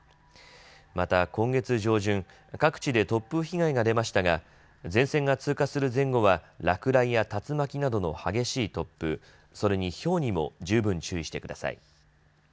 また今月上旬、各地で突風被害が出ましたが前線が通過する前後は落雷や竜巻などの激しい突風、それにひょうにも十分注意してください。